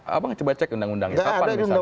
apa coba cek undang undangnya